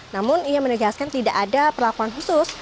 namun ia menegaskan tidak ada perlakuan khusus